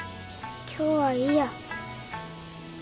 今日はいいや。